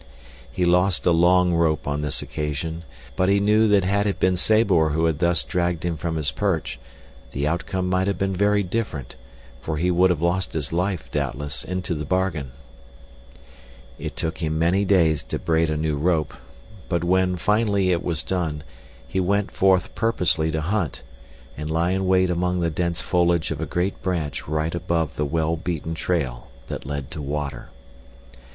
He lost a long rope on this occasion, but he knew that had it been Sabor who had thus dragged him from his perch the outcome might have been very different, for he would have lost his life, doubtless, into the bargain. It took him many days to braid a new rope, but when, finally, it was done he went forth purposely to hunt, and lie in wait among the dense foliage of a great branch right above the well beaten trail that led to water.